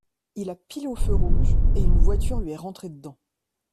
Il a pilé au feu rouge, et une voiture lui est rentré dedans.